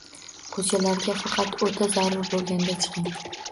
Ko'chalarga faqat o'ta zarur bo'lganda chiqing